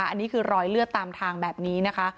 อันนี้คือรอยเลือดตามทางแบบนี้นะคะ